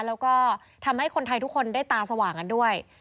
แล้วก็ทำให้คนไทยทุกคนได้ตาสว่างกันด้วย